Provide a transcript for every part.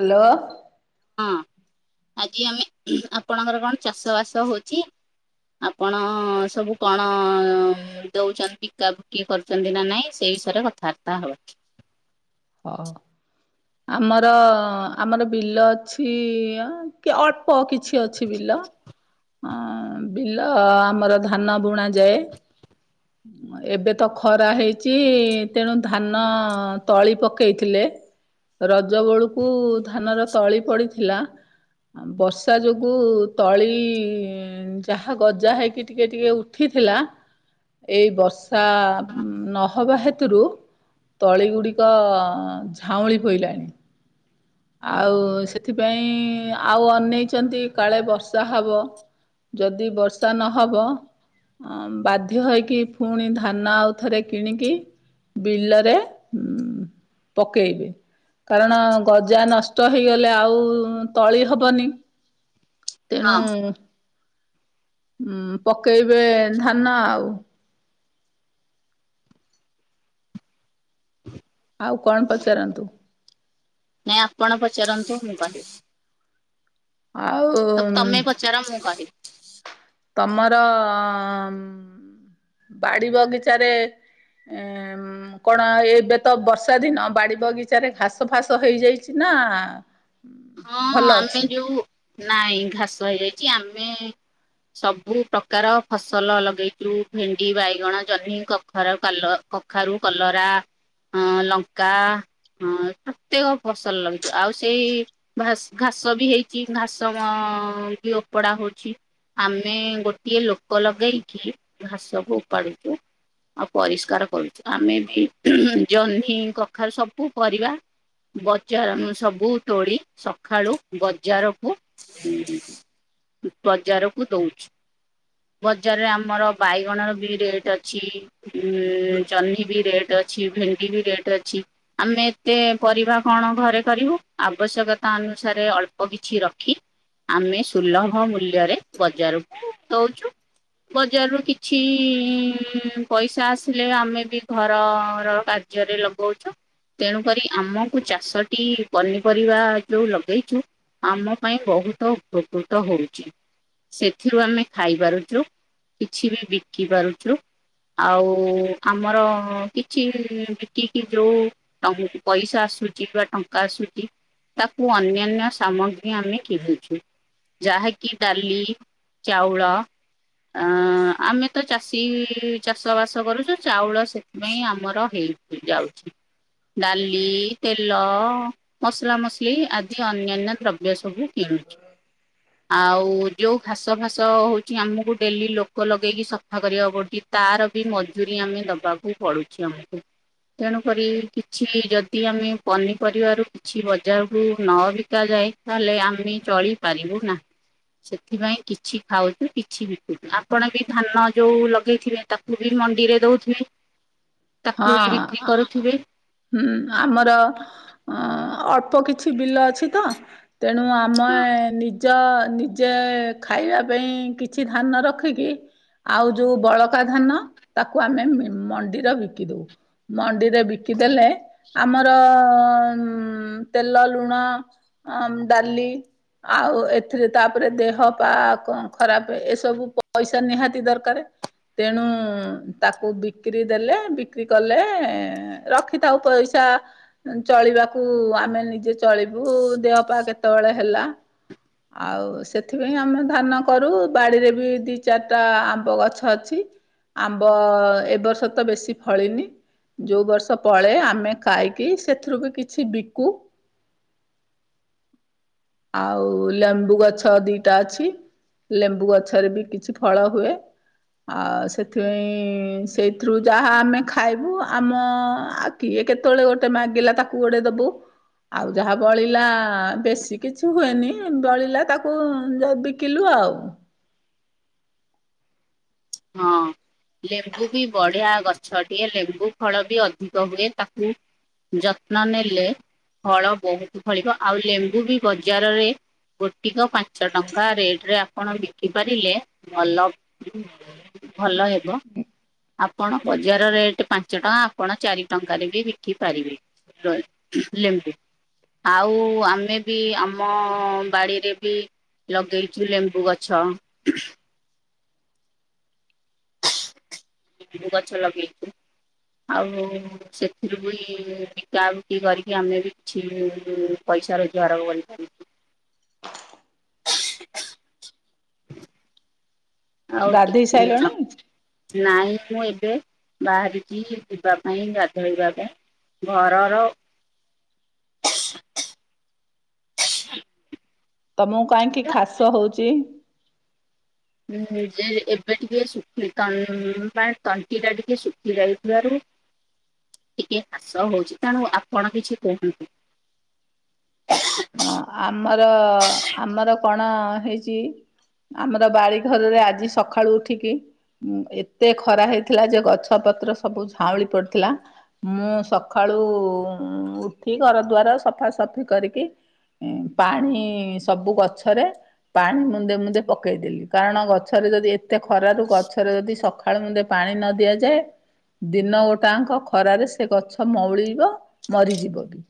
Hello. ହଁ ଆଜି ଆମେ ଆପଣଙ୍କର କଣ ଚାଷ ବାସ ହଉଛି। ଆପଣ ସବୁ କଣ ଦଉଛନ୍ତି ବିକା ବୁକି କରୁଛନ୍ତି ନା ନାଇଁ ସେ ଏ ବିଷୟରେ କଥାବାର୍ତ୍ତା ହେବା। ହୋଉ। ଆମର ଆମର ବିଲ ଅଛି। କି ଅଳ୍ପ କିଛି ଅଛି ବିଲ। ବିଲ ଆମର ଧାନ ବୁଣା ଯାଏ। ଏବେ ତ ଖରା ହେଇଛି ତେଣୁ ଧାନ ତଳି ପକେଇଥିଲେ। ରଜ ବେଳକୁ ଧାନର ତଳି ପଡିଥିଲା। ବର୍ଷା ଯୋଗୁଁ ତଳି ଯାହା ଗଜା ହେଇକି ଟିକେ ଟିକେ ଉଠି ଥିଲା। ଏଇ ବର୍ଷା ନହେବା ହେତୁରୁ ତଳି ଗୁଡିକ ତ ଝାଉଁଳି ପଇଲାଣି। ଆଉ ସେଥିପାଇଁ ଆଉ ଅନେଇଛନ୍ତି କାଳେ ବର୍ଷା ହବ। ଯଦି ବର୍ଷା ନହବ ଅ ବାଧ୍ୟ ହେଇକି ପୁଣି ଧାନ ଆଉ ଥରେ କିଣିକି ବିଲରେ ଉଁ ପକେଇବେ। କାରଣ ଗଜା ନଷ୍ଟ ହେଇଗଲେ ଆଉ ତଳି ହବନି। ତେଣୁ ହଁ ହଁ ପକେଇବେ ଧାନ ଆଉ। ଆଉ କଣ ପଚାରନ୍ତୁ? ନାଇଁ ଆପଣ ପଚାରନ୍ତୁ ମୁଁ କହିବି। ତ ତମେ ଆଉ ପଚାର ମୁଁ କହିବି। ତମର ବାଡି ବଗିଚାରେ ଏଁ କଣ ଏବେ ତ ବର୍ଷା ଦିନ, ବାଡି ବଗିଚାରେ ଘାସ ଫାସ ହେଇଯାଇଛି ନା। ହଁ ଭଲ ଆମେ ଅଛି? ଯୋଉ ନାଇଁ ଘାସ ହେଇଯାଇଛି ଆମେ ଏ [unintelligible] ସବୁ ପ୍ରକାର ଫସଲ ଲଗେଇଥିଲୁ। ଭେଣ୍ଡି, ବାଇଗଣ, ଜହ୍ନି, କଖାରୁ, କଲ କଖାରୁ କଲରା। ହଁ ଲଙ୍କା ହଁ ପ୍ରତ୍ୟେକ ଫସଲ ଲଗେଇଥିଲୁ। ଆଉ ସେଇ ଘାସ୍ ଘାସ ବି ହେଇଛି। ଘାସ ମ ବି ଓପଡା ହଉଛି। ଆମେ ଗୋଟିଏ ଲୋକ ଲଗେଇକି ଘାସକୁ ଉପାଡୁଛୁ। ଆଉ ପରିଷ୍କାର କରୁଛୁ ଆମେ ବି ଜହ୍ନି, କଖାରୁ ସବୁ ପରିବା। ବଜାର ମୁଁ ସବୁ ତୋଳି ସକାଳୁ ବଜାରକୁ ବଜାରକୁ ଦଉଛୁ। ବଜାରରେ ଆମର ବାଇଗଣର ବି ରେଟ୍ ଅଛି। ଉଁ ଜହ୍ନି ବି ରେଟ୍ ଅଛି। ଭେଣ୍ଡି ବି ରେଟ୍ ଅଛି। ଆମେ ଏତେ ପରିବା କଣ ଘରେ କରିବୁ ଆବଶ୍ୟକ ତା ଅନୁସାରେ ଅଳ୍ପ କିଛି ରଖି ଆମେ ସୁଲଭ ମୂଲ୍ୟରେ ବଜାରକୁ ଦଉଛୁ। ବଜାରରୁୁ କିଛି ପଇସା ଆସିଲେ ଆମେ ବି ଘରର କା ର୍ଯ୍ୟରେ ଲଗଉଛୁ। ତେଣୁକରି ଆମକୁ ଚାଷଟି ପନିପରିବା ଯୋଉ ଲଗେଇଛୁ ଆମ ପାଇଁ ବହୁତ ଉପକୃତ ହଉଛି। ସେଥିରୁ ଆମେ ଖାଇପାରୁଛୁ କିଛି ବି ବିକି ପାରୁଛୁ। ଆଉ ଆମର କିଛି ବିକିକି ଯୋଉ ଟ ପଇସା ଆସ ଆସୁଛି ବା ଟଙ୍କା ଆସୁଛି ତାକୁ ଅନ୍ୟାନ୍ୟ ସାମଗ୍ରୀ ଆମେ କିଣୁଛୁ। ଯାହା କିି ଡାଲି, ଚାଉଳ ଅଁ ଆମେ ତ ଚାଷୀ ଚାଷ ବାସ କରୁଛୁ। ଚାଉଳ ସେଥିପାଇଁ ଆମର ହେଇ ଯାଉଛି। ଡାଲି, ତେଲ, ମସଲା ମସଲି ଆଦି ଅନ୍ୟାନ୍ୟ ଦ୍ରବ୍ୟ ସବୁ କିଣୁଛୁ। ଆଉ ଯୋଉ ଘାସ ଫାସ ହଉଛି ଆମକୁ ଡେଲି ଲୋକ ଲଗେଇକି ସଫା କରିବାକୁ ପଡୁଛି। ତାର ବି ମଜୁୁରୀ ଆମେ ଦବାକୁ ପଡୁଛି ଆମକୁ। ତେଣୁକରି କିଛି ଯଦି ଆମେ ପନିପରିବାରୁ କିଛି ବଜାରକୁ ନବିକା ଯାଏ, ତାହଲେ ଆମେ ଚଳି ପାରିବୁ ନାହିଁ। ସେଥିପାଇଁ କିଛି ଖାଉଛୁ କିଛି ବିକୁନୁ ଆପଣ ବି ଧାନ ଯୋଉ ଲଗେଇଥିବେ ତାକୁ ବି ମଣ୍ଡିରେ ଦଉଥିବେ? ତାକୁ ହଁ ବି ବିକ୍ରି କରୁଥିବେ ହୁଁ ଆମର ଅଁ ଅଳ୍ପ କିଛି ବିଲ ଅଛି ତ ତେଣୁ ଆମେ ହଁ ନି ନିଜ ନିଜେ ଖାଇବା ପାଇଁ କିଛି ଧାନ ରଖିକି ଆଉ ଯୋଉ ବଳକା ଧାନ ତାକୁ ଆମେ ମଣ୍ଡିର [unintelligible] ମଣ୍ଡିରେ ବିକିଲେ ଆମ ତେଲ ଲୁଣ ହଁ ଆଁ ଡାଲି ଆଉ ଏଥିରେ ତାପରେ ଦେହ ପା କ ଖରାପ ଏସବୁ ପଇସା ନିହାତି ଦରକାରେ ତେଣୁ ତାକୁ ବିକ୍ରି ଦେଲେ ବିକ୍ରି କଲେ ରଖିଥାଉ ପଇସା ଚଳିବାକୁ ଆମେ ନିଜେ ଚଳେଇ [unintelligible] ବୁ ଦେହପା କେତେବେଳେ ହେଲା ଆଉ ସେଥିପାଇଁ ଆମେ ଧାନ କରୁ ବାଡିରେ ବି ଦି ଚାରିଟା ଆମ୍ବ ଗଛ ଅଛି ଆମ୍ବ ଏ ବର୍ଷ ତ ବେଶୀ ଫଳିନି ଯୋଉ ବର୍ଷ ଫଳେ ଆମେ ଖାଇକି ସେଥିରୁ ବି କିଛି ବିକୁ [inaudible] ଆଉ ଲେମ୍ବୁ ଗଛ ଦିଟା ଅଛି ଲେମ୍ବୁ ଗଛରେ ବି କିଛି ଫଳ ହୁଏ। ଆ ସେଥିପାଇଁ ସେଇଥିରୁ ଯା ଆ ଆମେ ଖାଇବୁ ଆମ ଆ କିଏ କେତେବେଳେ ଗୋଟେ ମାଗିଲା ତାକୁ ଗୋଟେ ଦବୁ ଆଉ ଯାହା ବଳିଲା ବେଶୀ କିଛି ହୁଏନି ବଳିଲା ତାକୁ ବିକିଲୁ। ଆଉ। ହଁ। ଲେମ୍ବୁ ବି ବଢିଆ ଗଛଟିଏ ଲେମ୍ବୁ ଫଳ ବି ଅଧିକ ହୁଏ ତାକୁ ଯତ୍ନ ନେଲେ ଫଳ ବହୁତ ଫଳିବ ଆଉ ଲେମ୍ବୁ ବି ବଜାରରେ ଗୋଟିକ ପାଞ୍ଚ ଟଙ୍କା ରେଟରେ ଆପଣ ବିକିପାରିଲେ ଭଲ। ଭଲ ହେବ। ଆପଣ ବଜାର ରେଟ ପାଞ୍ଚ ଟଙ୍କା ଆପଣ ଚାରି ଟଙ୍କାରେ ବି ବିକି ପାରିବେ। ର ହି ଲେମ୍ଵୁ। ଆଉ ଆମେ ବି ଆମ ବାଡିରେ ବି ଲଗେଇଛୁ ଲେମ୍ବୁ ଗଛ ଲେମ୍ଵୁ ଗଛ ଲଗେଇଚୁ। ଆଉ ସେଥିରୁ ବି ବିକା ବିକି କରିକି ଆମେ ବି କିଛି ପଇସା ରୋଜଗାର କରୁ। [inaudible] ଆଉ ଗାଧେଇ ଟିକେ ନା ସାଇଲଣି ନାଇଁ। ମୁଁ ଏବେ ବାହାରିକି ଯିବା ପାଇଁ ଗାଧୋଇବା ପାଇଁ ଘରର [inaudible] [inaudible] ତମକୁ କାହିଁକି ଖାସ ହଉଚି? ଉଁ ଯେ ଏବେ ଟିକେ ଶୁଖି ମାନ ତଣ୍ଟି ଟା ଟିକେ ଶୁଖି ଯାଇଥିବାରୁ ଟିକେ କାସ ହଉଚି, ତେଣୁ ଆପଣ କିଛି କୁହନ୍ତୁ? ହଁ ଆମର ଆମର କଣ ହେଇଚି ଆମର ବାଡିଘରରେ ଆଜି ସକାଳୁ ଉଠିକି ଉଁ ଏତେ ଖରା ହେଇଥିଲା ଯେ ଗଛ ପତ୍ର ସବୁ ଝାଉଁଳି ପଡିଥିଲା ମୁଁ ସକାଳ ଆଳୁ ଉଠି ଘର ଦୂଆାର ସଫାସଫି କରିକି ଏ ପାଣି ସବୁ ଗଛରେ ପାଣି ମୁନ୍ଦେ ମୁନ୍ଦେ ପକେଇଦେଲି କାରଣ ଗଛରେ ଯଦି ଏତେ ଖରାରୁ ଗଛରେ ଯଦି ସକାଳୁ ମୁନ୍ଦେ ପାଣି ପାଣି ନ ଦିଆଯାଏ ଦିନ ଗୋଟାଙ୍କ ଖରାରେ ସେ ଗଛ ମଉଳିବ ମରିଯିବ ବି।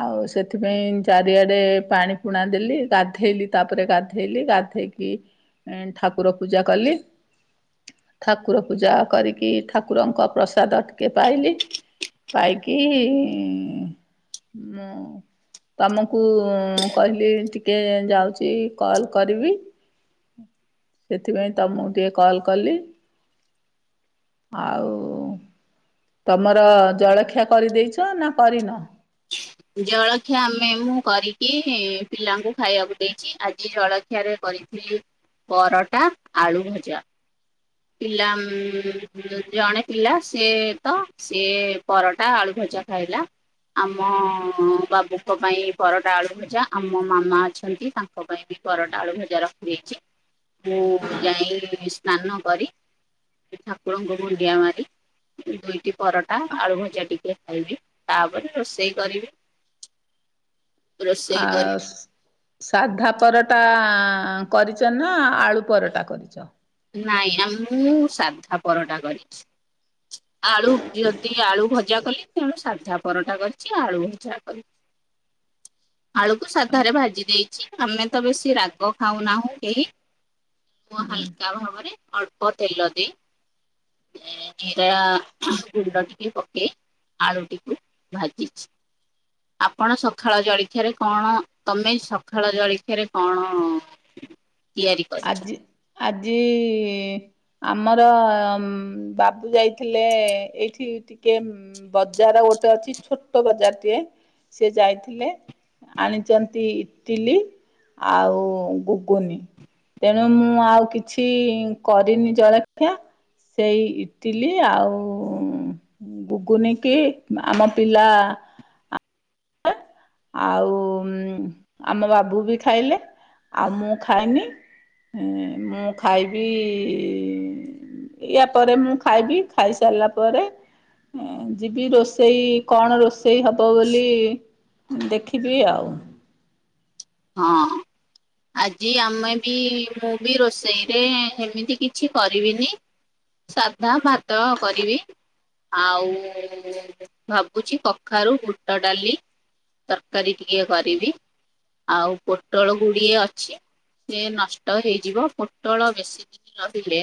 ଆଉ ସେଥିପାଇଁ ଏମିତ୍‌ ଚାରିଆଡେ ପାଣି ପୁଣା ଦେଲି ଗାଧେଇଲି ତାପରେ ଗାଧେଇଲି ଗାଧେଇକି ଏ ଠାକୁର ପୂଜା କଲି। ଠାକୁର ପୂଜା କରିକି ଠାକୁରଙ୍କ ପ୍ରସାଦ ଟିକେ ପାଇଲି। ପାଇକି ମୁଁ ତମକୁ କହିଲି ଟିକେ ଯାଉଚି କଲ୍ କରିବି। ସେଥିପାଇଁ ତମକୁ ଟିକେ କଲ୍ କଲି। ଆଉ ତମର ଜଳଖିଆ କରିଦେଇଚ ନା କରିନ? ଜଳଖିଆ ଆମେ ମୁଁ କରିକି ପିଲାଙ୍କୁ ଖାଇବାକୁ ଦେଇଛି ଆଜି ଜଳଖିଆରେ କରିଥିଲି ପରଟା ଆଳୁ ଭଜା। ପିଲା ଉଁ ଜଣେ ପିଲା ସିଏ ତ ସିଏ ପରଟା ଆଳୁ ଭଜା ଖାଇଲା ଆମ ବାବୁଙ୍କ ପାଇଁ ପରଟା ଆଳୁ ଭଜା ଆମ ମାମା ଅଛନ୍ତି ତାଙ୍କ ପାଇଁ ବି ପରଟା ଆଳୁ ଭଜା ର ରଖିଦେଇଚି ମୁଁ ଯାଇ ସ୍ନାନ କରି ସେ ଠାକୁରଙ୍କୁ ଭୁଣ୍ଡିଆ ମାରି ଦୁଇଟି ପରଟା ଆଳୁ ଭଜା ଟିକେ ଖାଇବି ତାପରେ ରୋଷେଇ କରିବି। ରୋଷେଇ ଆଉ କରିବି ସାଧା ପରଟା ଆଁ ଆଁ କରିଛ ନା ଆଳୁ ପରଟା କରିଛ? ନାଇଁ ନା ଆମ୍ ମୁଁ ସାଧା ପରଟା କରିଛି। ଆଳୁ ଯଦି ଆଳୁ ଭଜା କଲି ତେଣୁ ସାଧା ପରଟା କରିଛି ଆଳୁ ଭଜା କରିଛି ଆଳୁକୁ ସାଧାରେ ଭାଜି ଦେଇଛି। ଆମେ ତ ବେଶୀ ରାଗ ଖାଉନାହୁଁ କେହି। ହୁଁ। ଭଲ ଭାବରେ ଅଳ୍ପ ତେଲ ଦେଇ [unintelligible] ପକେଇ ଆଳୁଟିକୁ ଭାଜିଛି। ଆପଣ ସକାଳ ଜଳଖିଆରେ କଣ ତମେ ସକାଳ ଜଳଖିଆରେ କଣ ହୁଁ। ଆଜି ଆଜି ଇ ଆମର ବାବୁ ଯାଇଥିଲେ ଏଇଠି ଟିକେ ବଜାର ଗୋ ଗୋଟେ ଅଛି ଛୋଟ ବଜାରଟିଏ ସେ ଯାଇଥିଲେ। ଆଣିଛନ୍ତି ଇଟିଲି ଆଉ ଗୁଗୁନି। ତେଣୁ ମୁଁ ଆଉ କିଛି କରିନି ଜଳଖିଆ। ସେଇ ଇଟିଲି ଆଉ ଗୁଗୁନ କିି ଆମ ପିଲା ଆଉ ଆମ ବାବୁ ବି ଖାଇଲେ ଆଉ ମୁଁ ଖାଏନି ହ ମୁଁ ଖାଇବି ୟା ପରେ ମୁଁ ଖାଇବି ଖାଇ ସାରିଲା ପରେ ଯିବି ରୋଷେଇ କଣ ରୋଷେଇ ସେଇ ହେବ ବୋଲି ଦେଖିବି ଆଉ। ହଁ। ଆଜି ଆମେ ବି ମୁଁ ବି ରୋଷେଇରେ ଏମିତି କିଛି କରିବିନି। ସାଧା ଭାତ କରିବି। ଆଉ ଭାବୁଛି କଖାରୁ ବୁଟ ଡାଲି ତରକାରୀ ଟିକେ କରିବି ଆଉ ପୋଟଳ ଗୁଡିଏ ଅ ଛି ସେ ନଷ୍ଟ ହେଇଯିବ ପୋଟଳ ବେଶୀ ଦିନ ରହିଲେ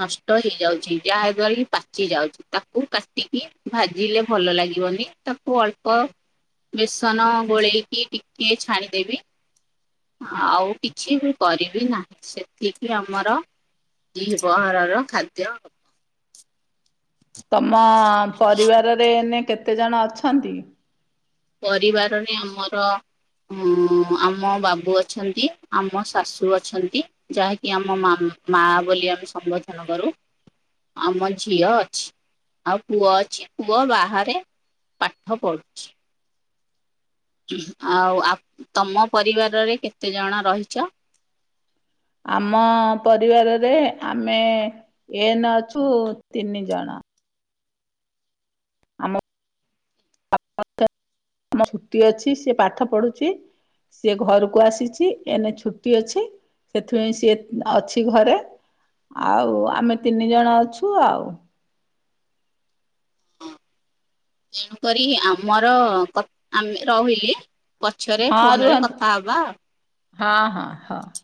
ନଷ୍ଟ ହେଇଯାଉଛି। ଯାହା ଦ୍ଵାରା କି ପାଚି ଯାଉଛି ତାକୁ କାଟିକି ଭାଜିଲେ ଭଲ ଲା ଲାଗିବନି ତାକୁ ଅଳ୍ପ ବେସନ ଗୋଳେଇକି ଟିକେ ଛାଣିଦେବି। ଆଉ କିଛି ବି କରିବି ନାହିଁ ସେତିକି ଆମର। ଦ୍ଵି ପ୍ରହରର ଖାଦ୍ୟ ଆଉ। ତମ ପରିବାରରେ ଏଇନେ କେତେ ଜଣ ଅଛନ୍ତି? ପରିବାରରେ ଆମର ହୁଁ ଆମ ବାବୁ ଅଛନ୍ତି ଆମ ଶାଶୁ ଅଛନ୍ତି ଯାହାକି ଆମ ମାମା। ମା ବୋଲି ଆମେ ସମ୍ଭୋଧନ କରୁ। ଆମ ଝିଅ ଅଛି ଆଉ ପୁଅ ଅଛି ପୁଅ ବାହାରେ ପାଠ ପଢ଼ୁଛି। ଆଉ ଆପ୍ ତମ ପରିବାରରେ କେତେ ଜଣ ରହିଛ? ଆମ ପରିବାରରେ ଆମେ ଏଇନେ ଅଛୁ ତିନି ଜଣ। ଆମ [inaudible] ଆମ ସ୍ମୃତି ଅଛି ସେ ପାଠ ପଢ଼ୁଚି। ସିଏ ଘରୁକୁ ଆସିଛି ଏଇନେ ଛୁଟି ଅଛି। ସେଥିପାଇଁ ସିଏ ଅଛି ଘରେ ଆଉ ଆମେ ତିନି ଜଣ ଅଛୁ ଆଉ। ହଁ ତେଣୁ କରି ଆମର ଆମେ ରହିଲେ ପଛରେ ହଁ ଫୋନ୍ ରେ ରୁହନ୍ତୁ କଥା ହବା ହଁ ହଁ ହଁ। ଆଉ।